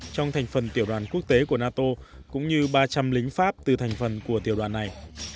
trong thành phần tiểu đoàn quốc tế của nato cũng như ba trăm linh lính pháp từ thành phần của tiểu đoàn này